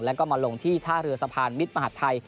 แล้วก็มาลงที่ท่าเรือสะพานมิตรมหาดไทย